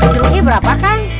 cerugi berapa kan